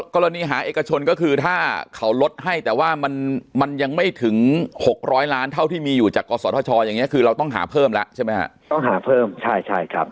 กรณีหาเอกชนก็คือถ้าเขาลดให้แต่ว่ามันมันยังไม่ถึง๖๐๐ล้านเท่าที่มีอยู่จากกศธชอย่างนี้คือเราต้องหาเพิ่มแล้วใช่ไหมฮะต้องหาเพิ่มใช่ใช่ครับ